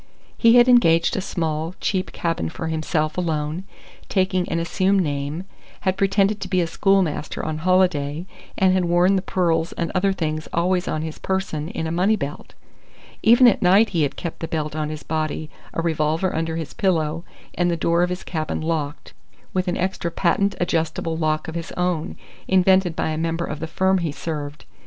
He had engaged a small, cheap cabin for himself alone, taking an assumed name; had pretended to be a schoolmaster on holiday, and had worn the pearls and other things always on his person in a money belt. Even at night he had kept the belt on his body, a revolver under his pillow, and the door of his cabin locked, with an extra patent adjustable lock of his own, invented by a member of the firm he served.